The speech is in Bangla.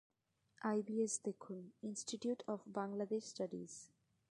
আইবিএস দেখুন ইনস্টিটিউট অব বাংলাদেশ স্টাডিজ।